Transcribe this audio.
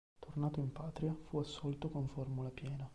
Tornato in patria, fu assolto con formula piena.